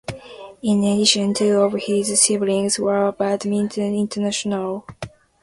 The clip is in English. In addition two of his siblings were badminton internationals (Willoughby Hamilton and Mavis Hamilton).